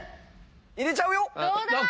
⁉入れちゃうよ！